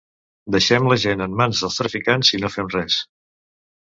Deixem la gent en mans dels narcotraficants si no fem res.